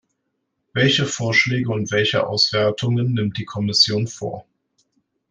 Welche Vorschläge und welche Auswertungen nimmt die Kommission vor?